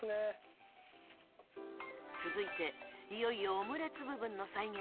［続いていよいよオムレツ部分の再現に］